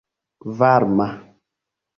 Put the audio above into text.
varma